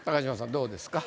どうですか？